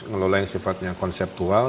ngelola yang sifatnya konseptual